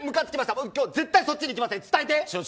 僕、今日は絶対そっちに行きませんと。